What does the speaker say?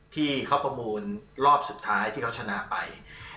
ที่เขาประมูลรอบสุดท้ายที่เขาชนะไป